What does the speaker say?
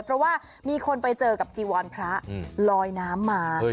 เพราะว่ามีคนไปเจอกับจีวรพระลอยน้ำมา